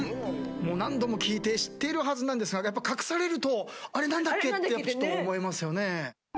何度も聞いて知っているはずなんですが隠されると何だっけ？ってちょっと思いますよね。